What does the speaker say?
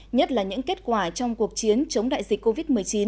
nhất là những kết quả trong cuộc chiến chống đại dịch covid một mươi chín